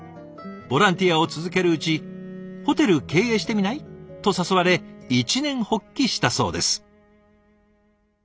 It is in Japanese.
ボランティアを続けるうち「ホテル経営してみない？」と誘われ一念発起したそうです。